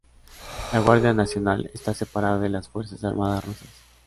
La Guardia Nacional está separada de las Fuerzas Armadas Rusas.